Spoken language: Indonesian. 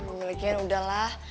yuh lagi kan udahlah